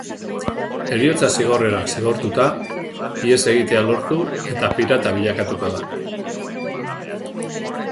Heriotza zigorrera zigortuta, ihes egitea lortu eta pirata bilakatuko da.